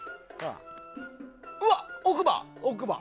うわ、奥歯。